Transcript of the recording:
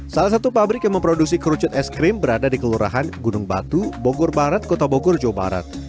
salah satu pabrik yang memproduksi kerucut es krim berada di kelurahan gunung batu bogor barat kota bogor jawa barat